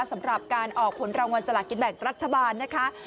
สำหรับการออกผลรางวัลสลากินแบ่งรัฐบาลนะคะ